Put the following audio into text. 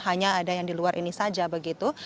hanya ada yang di luar ini saja begitu